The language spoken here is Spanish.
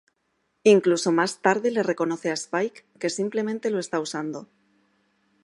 Incluso más tarde le reconoce a Spike que simplemente lo está usando.